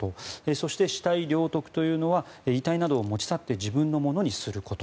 そして死体領得というのは遺体などを持ち去って自分のものにすること。